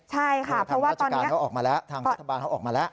ใช่ค่ะเพราะว่าทางธรรมบาลเขาออกมาแล้ว